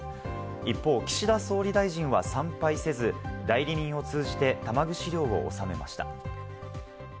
一方、岸田総理大臣は参拝せず、代理人を通じて、玉串料を納めました。